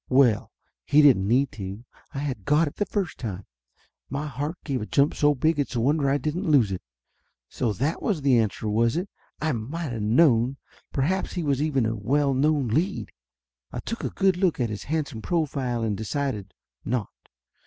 Well, he didn't need to. I had got it the first time. My heart give a jump so big it's a wonder I didn't lose it. So that was the answer, was it ? I might of known! Perhaps he was even a well known lead? I took a good look at his handsome profile, and decided! not.